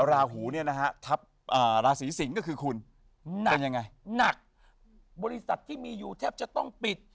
ราหูเนี่ยนะฮะทัพราศีสิงศ์ก็คือคุณหนักเป็นยังไงหนักบริษัทที่มีอยู่แทบจะต้องปิด